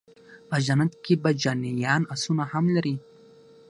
په جنت کي به جنيان آسونه هم لري